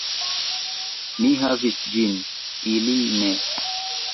Mi havis ĝin, ili ne.